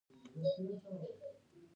درستوالی ګټور دی.